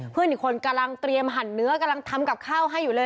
เพื่อนอีกคนกำลังเตรียมหั่นเนื้อกำลังทำกับข้าวให้อยู่เลย